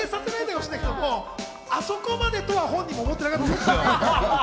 あそこまでとは本人も思ってなかったと思いますが。